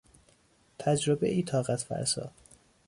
تجربهای طاقت فرسا